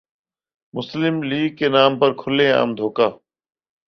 مسلم لیگ کے نام پر کھلے عام دھوکہ ۔